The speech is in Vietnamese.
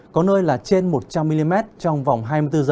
có nơi là trên một trăm linh mm trong vòng hai mươi bốn h